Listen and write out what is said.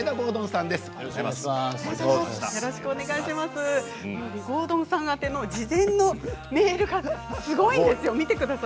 敦さん宛ての事前のメールがすごいんですよ。